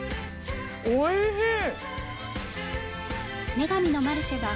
おいしい！